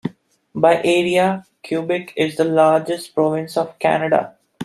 By area, Quebec is the largest province of Canada.